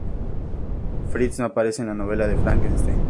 Fritz no aparece en la novela de Frankenstein.